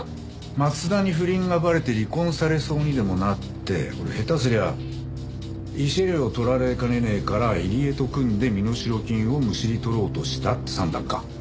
松田に不倫がバレて離婚されそうにでもなってこれ下手すりゃ慰謝料を取られかねねえから入江と組んで身代金をむしり取ろうとしたって算段か。